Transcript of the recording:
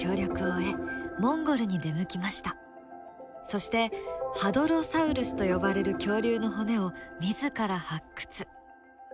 そしてハドロサウルスと呼ばれる恐竜の骨を自ら発掘。